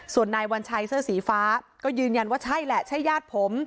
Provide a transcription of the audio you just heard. ส่วนนายวัญชัยเสื้อสีฟ้าก็ยืนยันว่าใช่แหละใช่ญาติผม